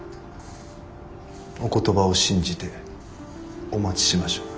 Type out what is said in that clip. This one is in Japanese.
お言葉を信じてお待ちしましょう。